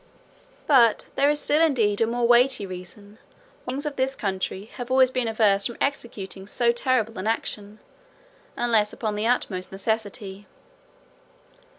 But there is still indeed a more weighty reason, why the kings of this country have been always averse from executing so terrible an action, unless upon the utmost necessity.